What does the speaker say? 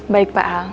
baik pak al